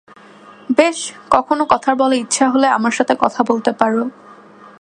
বেশ, কখনো কথা বলার ইচ্ছা হলে, আমার সাথে বলতে পারো।